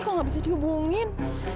kok nggak bisa dihubungin